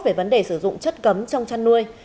về vấn đề sử dụng chất cấm trong chăn nuôi